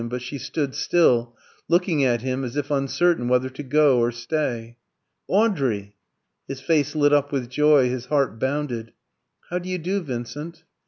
But she stood still, looking at him as if uncertain whether to go or stay. "Audrey!" His face lit up with joy, his heart bounded. "How do you do, Vincent?"